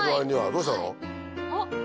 どうしたの？